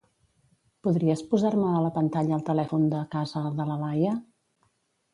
Podries posar-me a la pantalla el telèfon de casa de la Laia?